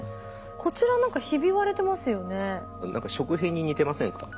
こちら何かひび割れてますよね？